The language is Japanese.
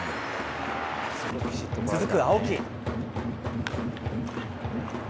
続く青木。